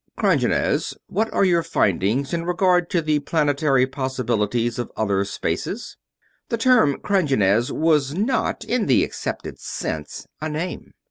Krongenes, what are your findings in regard to the planetary possibilities of other spaces?" The term "Krongenes" was not, in the accepted sense, a name.